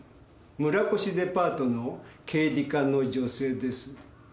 村越デパートの経理課の女性です。